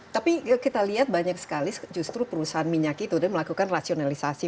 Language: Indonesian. tapi kita lihat banyak sekali justru perusahaan minyak itu sudah melakukan rasionalisasi